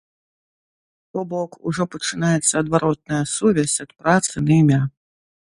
То бок, ужо пачынаецца адваротная сувязь ад працы на імя.